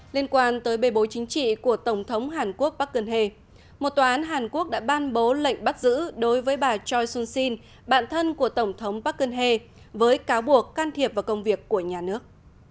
liên quan tới bề bối chính trị của tổng thống hàn quốc park geun hye một tòa án hàn quốc đã ban bố lệnh bắt giữ đối với bà choi soon sin bạn thân của tổng thống park geun hye với cáo buộc can thiệp vào công việc của nhà nước